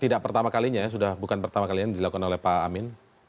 tidak pertama kalinya ya sudah bukan pertama kalinya dilakukan oleh pak amin